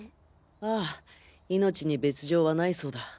ああ命に別条はないそうだ。